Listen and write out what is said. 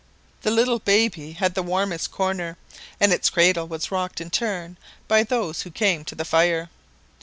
The little baby had the warmest corner, and its cradle was rocked in turn by those who came to the fire.